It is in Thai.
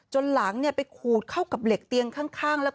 หลังไปขูดเข้ากับเหล็กเตียงข้างแล้ว